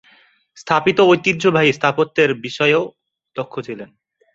স্থাপিত ঐতিহ্যবাহী স্থাপত্যের বিষয়েও দক্ষ ছিলেন।